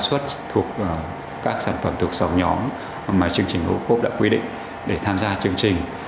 xuất thuộc các sản phẩm thuộc dòng nhóm mà chương trình ô cốp đã quy định để tham gia chương trình